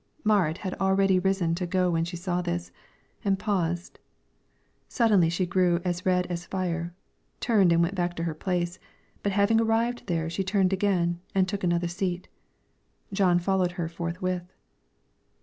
Marit had already risen to go when she saw this, and paused; suddenly she grew as red as fire, turned and went back to her place, but having arrived there she turned again and took another seat. Jon followed her forthwith.